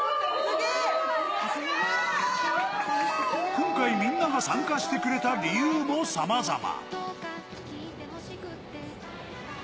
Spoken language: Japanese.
今回みんなが参加してくれた理由もさまざま。